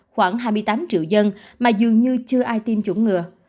khoảng hai mươi tám triệu dân mà dường như chưa ai tiêm chủng ngừa